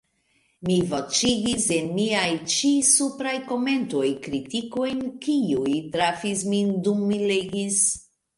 Mi voĉigis en miaj ĉi-supraj komentoj kritikojn, kiuj trafis min dum mi legis.